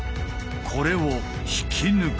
これを引き抜く。